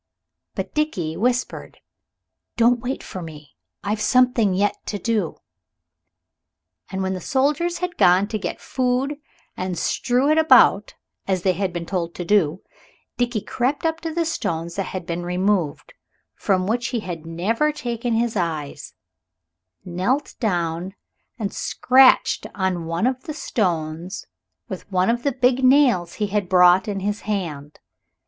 But Dickie whispered, "Don't wait for me. I've something yet to do." And when the soldiers had gone to get food and strew it about, as they had been told to do, Dickie crept up to the stones that had been removed, from which he had never taken his eyes, knelt down and scratched on one of the stones with one of the big nails he had brought in his hand.